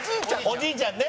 おじいちゃんね。